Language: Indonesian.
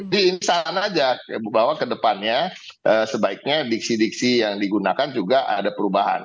di sana saja bahwa ke depannya sebaiknya diksi diksi yang digunakan juga ada perubahan